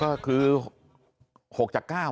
ก็คือ๖จาก๙